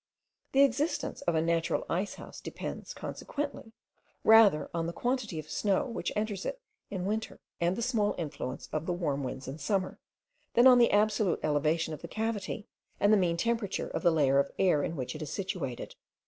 The existence of a natural ice house depends, consequently, rather on the quantity of snow which enters it in winter, and the small influence of the warm winds in summer, than on the absolute elevation of the cavity, and the mean temperature of the layer of air in which it is situated.